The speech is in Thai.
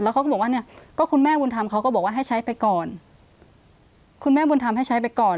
แล้วเขาก็บอกว่าเนี่ยก็คุณแม่บุญธรรมเขาก็บอกว่าให้ใช้ไปก่อน